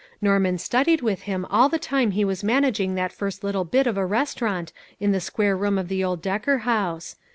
Norman studied with him all the time he was manairinsr that first little bit of a restaurant o o in the square room of the old Decker house.